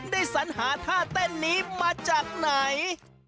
สัญหาท่าเต้นนี้มาจากไหน